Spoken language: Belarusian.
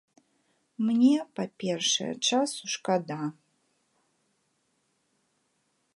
Мне, па-першае, часу шкада.